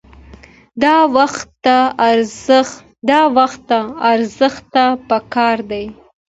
د وخت ارزښت پکار دی